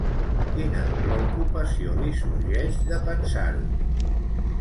Quina preocupació li sorgeix de pensar-ho?